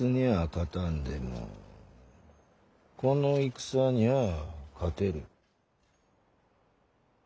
勝たんでもこの戦にゃあ勝てる。